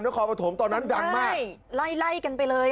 ที่คอนพระโถมตอนนั้นดังมากเร่ยเร่ยกันไปเลย